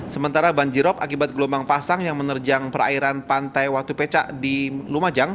sementara banjirop akibat gelombang pasang yang menerjang perairan pantai watu pecah di lumajang